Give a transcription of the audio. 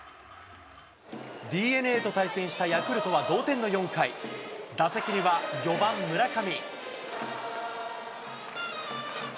ＤｅＮＡと対戦したヤクルトは同点の４回、打席には４番村上。